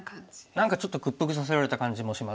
何かちょっと屈服させられた感じもしますよね。